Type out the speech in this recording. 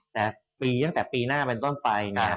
แต่ปีตั้งแต่ปีหน้าเป็นต้นไป